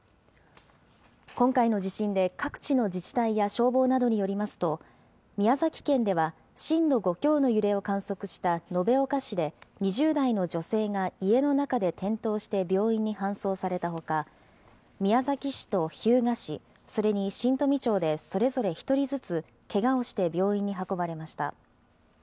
今回の地震で各地の自治体や消防などによりますと、宮崎県では震度５強の揺れを観測した延岡市で２０代の女性が家の中で転倒して病院に搬送されたほか、宮崎市と日向市、それに新富町でそれぞれ１人ずつ、けがをして病院に運ばれました。